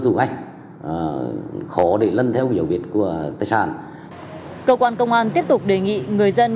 rủ anh khó để lân theo hiểu biết của tài sản cơ quan công an tiếp tục đề nghị người dân